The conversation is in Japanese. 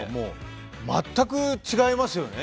全く違いますよね